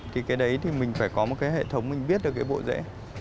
thì cái đấy thì mình phải có một cái hệ thống mình viết được cái bộ rễ